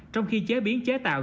trong khi chế biến chế tạo